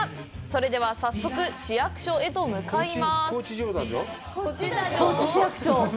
それでは早速、市役所へと向かいます。